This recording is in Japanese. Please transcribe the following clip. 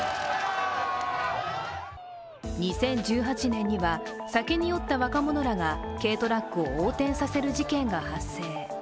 ２０１８年には、酒に酔った若者らが軽トラックを横転させる事件が発生。